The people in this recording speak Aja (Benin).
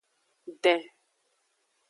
Den.